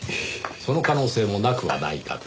その可能性もなくはないかと。